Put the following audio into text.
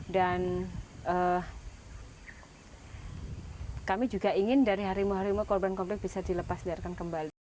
dan kami juga ingin dari harimau harimau korban konflik bisa dilepas dihidarkan kembali